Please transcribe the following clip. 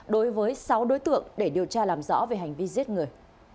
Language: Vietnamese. đối với sáu đối tượng để điều tra làm rõ về hành vi giết người